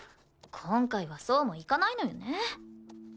今回はそうもいかないのよね。